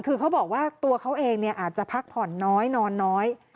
คือเขาบอกว่าตัวเขาเองอาจจะพักผ่อนน้อยนอนน้อย